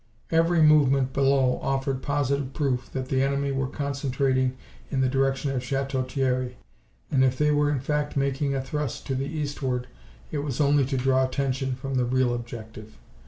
Every movement below offered positive proof that the enemy were concentrating in the direction of Chateau Thierry, and if they were in fact making a thrust to the eastward it was only to draw attention from the real objective.